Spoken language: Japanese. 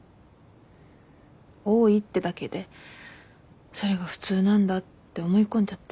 多いってだけでそれが普通なんだって思い込んじゃって。